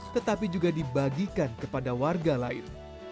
tetapi juga dibagikan kepada warga lain